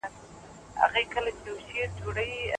اسلام موږ ته د مېړاني درس راکوي.